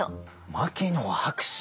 牧野博士。